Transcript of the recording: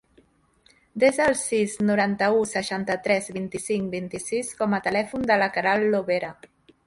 Desa el sis, noranta-u, seixanta-tres, vint-i-cinc, vint-i-sis com a telèfon de la Queralt Lobera.